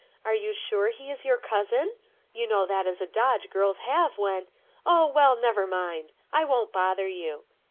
Are you sure he is your cousin? You know that is a dodge girls have when— Oh, well, never mind ; I won't bother you.